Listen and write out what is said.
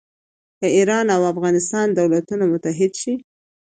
که ایران او افغانستان دولتونه متحد شي.